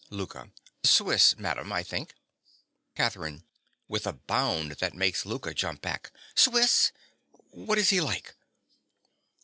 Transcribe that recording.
LOUKA. Swiss, madam, I think. CATHERINE. (with a bound that makes Louka jump back). Swiss! What is he like?